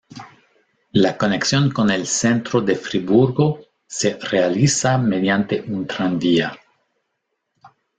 La conexión con el centro de Friburgo se realiza mediante un tranvía.